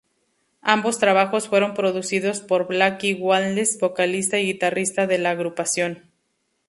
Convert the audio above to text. Ambos trabajos fueron producidos por Blackie Lawless, vocalista y guitarrista de la agrupación.